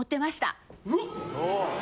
うわっ！